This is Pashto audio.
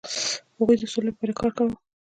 هغوی د سولې لپاره کار کاوه.